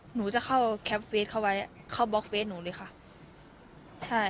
หนูจะเข้าแพลย์ไฟส์เข้าไว้เข้าบรอกไฟส์หนูเลยค่ะ